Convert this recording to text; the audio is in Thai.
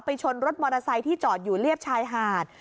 ชนรถมอเตอร์ไซค์ที่จอดอยู่เรียบชายหาด